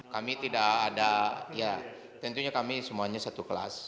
kami tidak ada ya tentunya kami semuanya satu kelas